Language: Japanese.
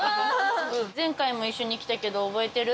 前回も一緒に来たけど、覚えてる？